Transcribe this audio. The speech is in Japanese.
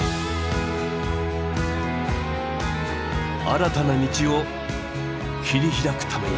新たな道を切り開くために。